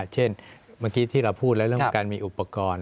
เช่นเมื่อกี้ที่เราพูดแล้วเรื่องการมีอุปกรณ์